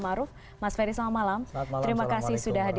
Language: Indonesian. terima kasih sudah menghadiri kpu pindah dewi